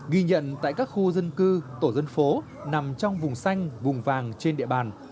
ghi nhận tại các khu dân cư tổ dân phố nằm trong vùng xanh vùng vàng trên địa bàn